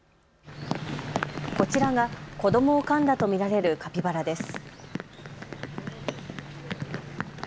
こちらが子どもをかんだと見られるカピバラです。